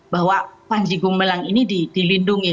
bahwa panji gumilang ini dilindungi